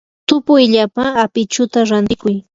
tupuyllapa apichuta rantikuy.